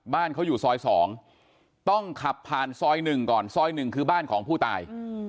บ้านเขาอยู่ซอย๒ต้องขับผ่านซอย๑ก่อนซอย๑คือบ้านของผู้ตาย